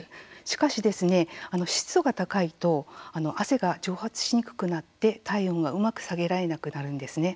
しかしですね、湿度が高いと汗が蒸発しにくくなって、体温がうまく下げられなくなるんですね。